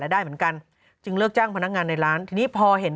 ได้เหมือนกันจึงเลิกจ้างพนักงานในร้านทีนี้พอเห็น